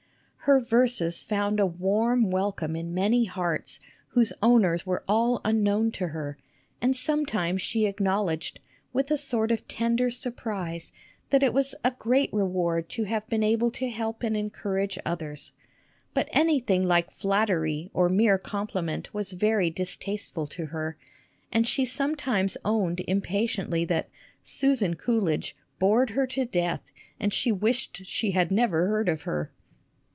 Her verses found xii SUSAN COOLIDGE a warm welcome in many hearts whose owners were all unknown to her, and sometimes she acknowledged, with a sort of tender surprise, that it was a great reward to have been able to help and encourage others. But anything like flattery or mere compliment was very distasteful to her, and she sometimes owned impatiently that " Susan Coolidge " bored her to death, and she wished she had never heard of her